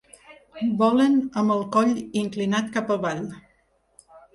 Volen amb el coll inclinat cap avall.